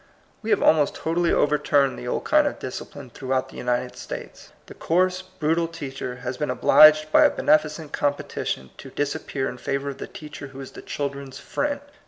We have almost totally over turned the old kind of discipline through out the United States. The coarse, brutal teacher has been obliged by a beneficent competition to disappear in favor of the teacher who is the children's friend.